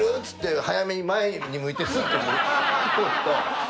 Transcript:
つって早めに前に向いてスッと。